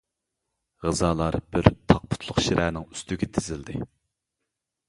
غىزالار بىر تاق پۇتلۇق شىرەنىڭ ئۈستىگە تىزىلدى.